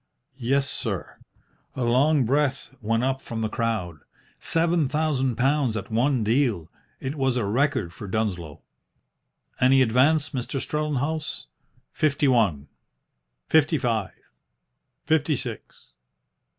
"Yes, sir." A long breath went up from the crowd. Seven thousand pounds at one deal. It was a record for Dunsloe. "Any advance, Mr. Strellenhaus?" "Fifty one." "Fifty five." "Fifty six."